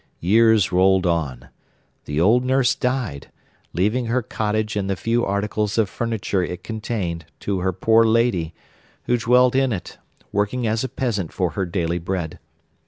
Years rolled on. The old nurse died, leaving her cottage and the few articles of furniture it contained to her poor lady, who dwelt in it, working as a peasant for her daily bread.